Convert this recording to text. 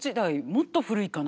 もっと古いかな？